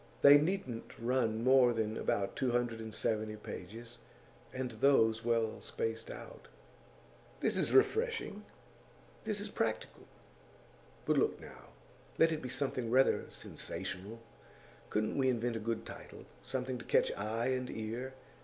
They needn't run to more than about two hundred and seventy pages, and those well spaced out.' 'This is refreshing. This is practical. But look now: let it be something rather sensational. Couldn't we invent a good title something to catch eye and ear?